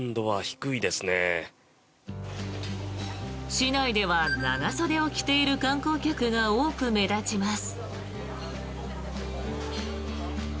市内では長袖を着ている観光客が多く目立ちます。